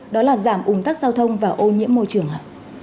đó là giảm ồn tắc giao thông và ô nhiễm môi trường hả